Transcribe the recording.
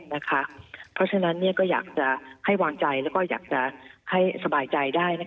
เพราะฉะนั้นก็อยากจะให้วางใจแล้วก็อยากจะให้สบายใจได้